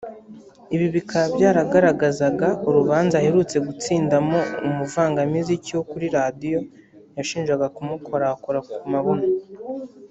ibi bikaba byaragaragazaga urubanza aherutse gutsindamo umuvangamiziki wo kuri radiyo yashinjaga kumukorakora ku mabuno